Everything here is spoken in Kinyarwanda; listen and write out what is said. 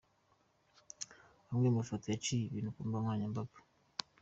Amwe mu mafoto yaciye ibintu ku mbuga nkoranyambaga .